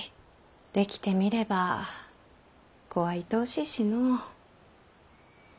できてみれば子はいとおしいしの。